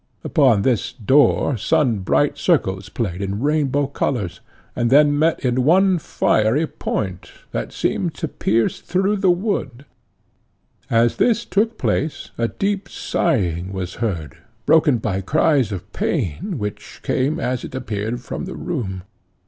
Upon this door sun bright circles played in rainbow colours, and then met in one fiery point, that seemed to pierce through the wood. As this took place a deep sighing was heard, broken by cries of pain, which came, as it appeared, from the room.